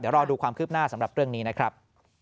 เดี๋ยวรอดูความคืบหน้าสำหรับเรื่องนี้นะครับ